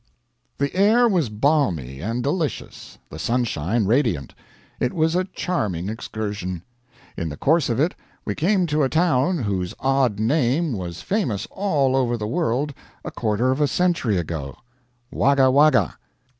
The air was balmy and delicious, the sunshine radiant; it was a charming excursion. In the course of it we came to a town whose odd name was famous all over the world a quarter of a century ago Wagga Wagga.